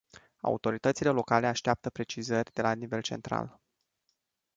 Autoritățile locale așteaptă precizări de la nivel central.